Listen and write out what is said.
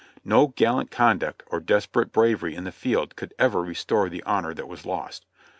No gallant conduct or desperate bravery in the field could ever restore the honor that was lost.